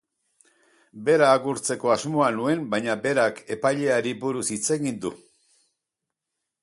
Bera agurtzeko asmoa nuen, baina berak epaileari buruz hitz ehin du.